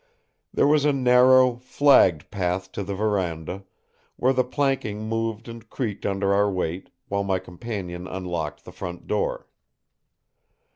There was a narrow, flagged path to the veranda, where the planking moved and creaked under our weight while my companion unlocked the front door.